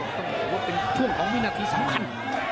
คะโห้ต้องก่อนเป็นช่วงของวินาทีสำคัญ